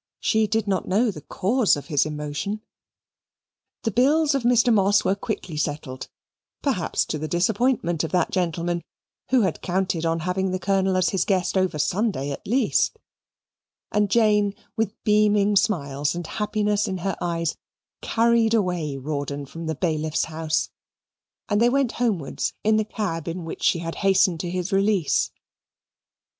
She did not know the cause of his emotion. The bills of Mr. Moss were quickly settled, perhaps to the disappointment of that gentleman, who had counted on having the Colonel as his guest over Sunday at least; and Jane, with beaming smiles and happiness in her eyes, carried away Rawdon from the bailiff's house, and they went homewards in the cab in which she had hastened to his release.